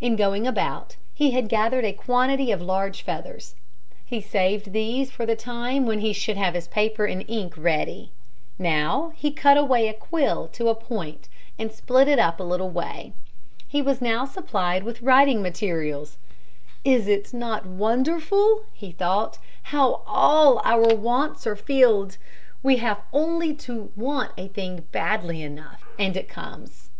In going about he had gathered a quantity of large feathers. He saved these for the time when he should have his paper and ink ready. Now, he cut away a quill to a point and split it up a little way. He was now supplied with writing materials. "Is it not wonderful," he thought, "how all our wants are filled? We have only to want a thing badly enough and it comes."